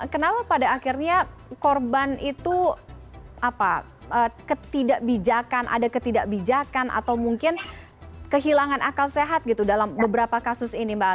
kenapa pada akhirnya korban itu ketidakbijakan ada ketidakbijakan atau mungkin kehilangan akal sehat gitu dalam beberapa kasus ini mbak